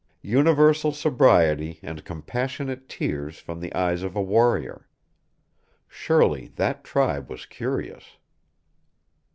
Universal sobriety, and compassionate tears from the eyes of a warrior! Surely, that tribe was curious.